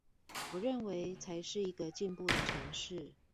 我認為才是一個進步的城市